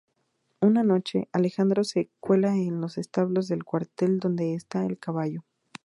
Una noche, Alejandro se cuela en los establos del cuartel donde está el caballo.